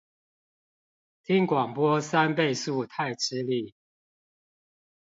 聽廣播三倍速太吃力